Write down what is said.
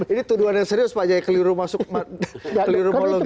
ini tuduhan yang serius pak jaya keliru masuk kelirumologi